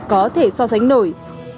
có thể so sánh nổi